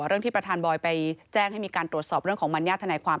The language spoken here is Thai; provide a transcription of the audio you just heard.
เรื่องที่ประธานบอยไปแจ้งให้มีการตรวจสอบเรื่องของมัญญาติธนายความ